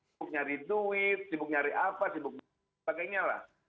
sibuk nyari duit sibuk nyari apa sibuk sebagainya lah